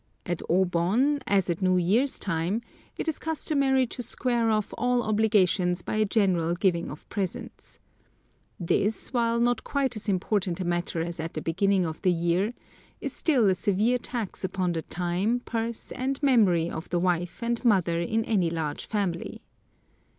At O Bon, as at New Year's time, it is customary to square off all obligations by a general giving of presents. This, while not quite as important a matter as at the beginning of the year, is still a severe tax upon the time, purse, and memory of the wife and mother in any large family.